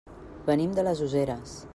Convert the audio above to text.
Venim de les Useres.